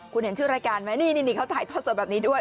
คุณเห็นชื่อรายการไหมนี่เขาถ่ายทอดสดแบบนี้ด้วย